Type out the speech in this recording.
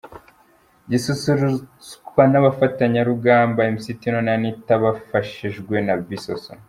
gisusurutswa nabashyushyarugamba Mc Tino na Anitha bafashijwe na Bissosso.